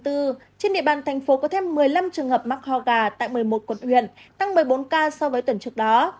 trên địa bàn thành phố có thêm một mươi năm trường hợp mắc ho gà tại một mươi một quận huyện tăng một mươi bốn ca so với tuần trước đó